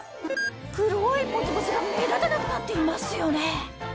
黒いポツポツが目立たなくなっていますよね